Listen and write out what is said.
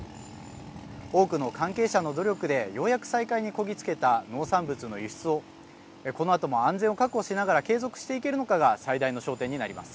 多くの関係者の努力でようやく再開にこぎつけた農産物の輸出をこのあとも安全を確保しながら継続していけるのかが最大の焦点になります。